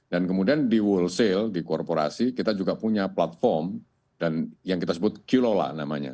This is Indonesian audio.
dan kemudian di wholesale di korporasi kita juga punya platform dan yang kita sebut kilola namanya